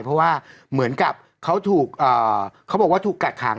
เพราะว่าเหมือนกับเขาถูกเขาบอกว่าถูกกักขัง